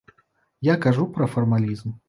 Я кажу пра фармалізм.